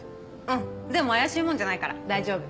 うんでも怪しい者じゃないから大丈夫。